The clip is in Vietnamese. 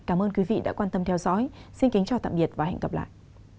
cảm ơn quý vị đã quan tâm theo dõi xin kính chào tạm biệt và hẹn gặp lại